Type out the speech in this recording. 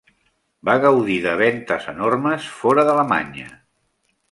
Va gaudir de ventes enormes fora d'Alemanya.